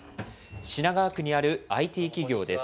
品川区にあるＩＴ企業です。